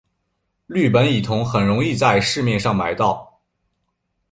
氯苯乙酮很容易在市面上买到。